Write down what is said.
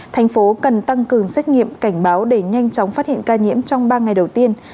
thành phố cần tăng cường xét nghiệm cảnh báo để nhanh chóng phát hiện ca nhiễm trong ba ngày đầu tiên